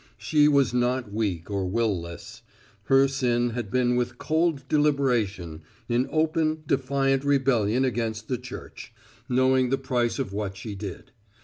She was not weak or will less. Her sin had been with cold deliberation, in open, defiant rebellion against the Church, knowing the price of what she did.